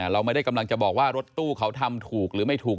เราไม่ได้กำลังจะบอกว่ารถตู้เขาทำถูกหรือไม่ถูก